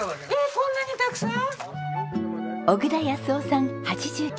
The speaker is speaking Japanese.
こんなにたくさん？